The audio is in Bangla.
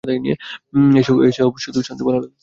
এসব শুধু শুনতে ভালো লাগে।